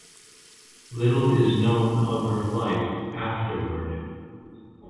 Little is known of her life afterward.